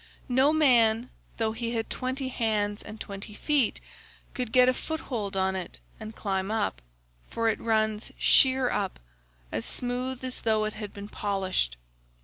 No man though he had twenty hands and twenty feet could get a foothold on it and climb it, for it runs sheer up, as smooth as though it had been polished.